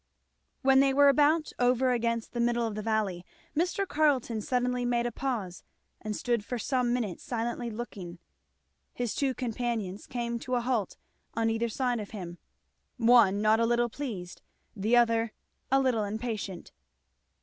When they were about over against the middle of the valley, Mr. Carleton suddenly made a pause and stood for some minutes silently looking. His two companions came to a halt on either side of him, one not a little pleased, the other a little impatient.